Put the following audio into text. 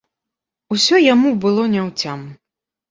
Усё яму было няўцям.